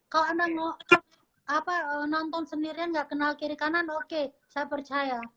kalau anda nonton sendirian nggak kenal kiri kanan oke saya percaya